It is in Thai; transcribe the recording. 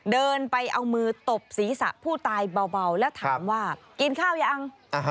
เดินไปเอามือตบศีรษะผู้ตายเบาแล้วถามว่ากินข้าวยัง